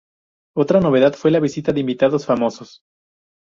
Otra novedad fue la visita de invitados famosos.